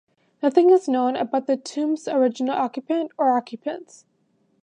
Nothing is known about the tomb's original occupant or occupants.